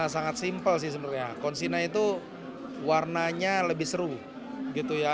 sangat simpel sih sebenarnya konsina itu warnanya lebih seru gitu ya